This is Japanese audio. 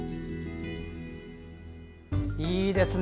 いいですね。